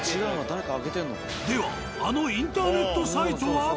ではあのインターネットサイトは？